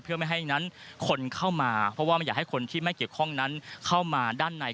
เพื่อไม่ให้นั้นคนเข้ามาเพราะว่าไม่อยากให้คนที่ไม่เกี่ยวข้องนั้นเข้ามาด้านใน